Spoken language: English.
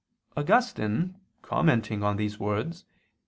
Augustine commenting on these words (De Serm.